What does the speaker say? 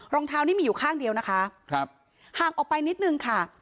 รองเท้านี่มีอยู่ข้างเดียวนะคะครับห่างออกไปนิดนึงค่ะ